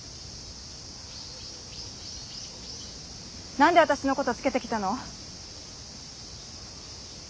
何で私のことつけてきたの？